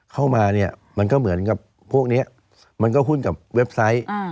เข้ามาเนี่ยมันก็เหมือนกับพวกนี้มันก็หุ้นกับเว็บไซต์